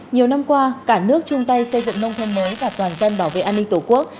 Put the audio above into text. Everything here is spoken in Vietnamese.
nhiều năm qua cả nước chung tay xây dựng nông thôn mới và toàn dân bảo vệ an ninh tổ quốc